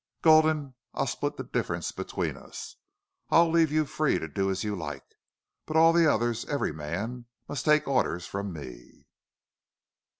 "Gulden, I'll split the difference between us. I'll leave you free to do as you like. But all the others every man must take orders from me."